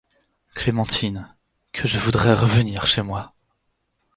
Clémentine, que je voudrais revenir chez moi !